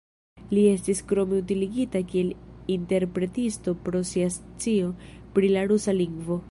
Li estis krome utiligita kiel interpretisto pro sia scio pri la rusa lingvo.